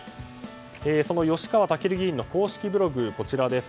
その吉川赳議員の公式ブログ。